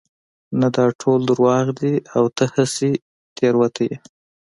نه دا ټول دروغ دي او ته هسې تېروتي يې